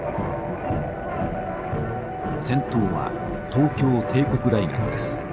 先頭は東京帝国大学です。